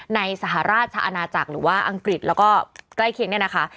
สหราชอาณาจักรหรือว่าอังกฤษแล้วก็ใกล้เคียงเนี่ยนะคะ